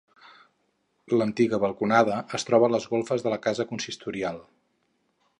L'antiga balconada es troba a les golfes de la casa consistorial.